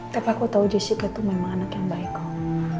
tapi aku tahu jessica itu memang anak yang baik om